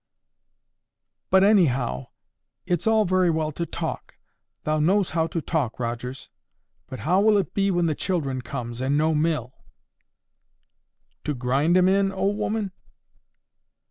"But, anyhow, it's all very well to talk. Thou knows how to talk, Rogers. But how will it be when the children comes, and no mill?" "To grind 'em in, old 'oman?"